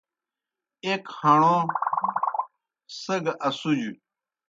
ایْک ہݨو، سگہ اسُجوْ